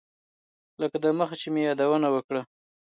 لکه دمخه چې مې یادونه وکړه.